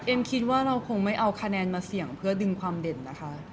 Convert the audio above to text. คิดว่าเราคงไม่เอาคะแนนมาเสี่ยงเพื่อดึงความเด่นนะคะ